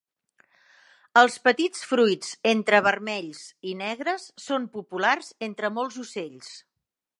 Els petits fruits entre vermells i negres són populars entre molts ocells.